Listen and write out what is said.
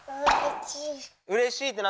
うれちい。